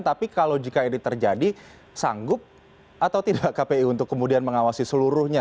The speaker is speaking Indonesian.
tapi kalau jika ini terjadi sanggup atau tidak kpu untuk kemudian mengawasi seluruhnya